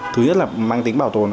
thứ nhất là mang tính bảo tồn